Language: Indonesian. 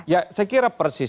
ya saya kira persis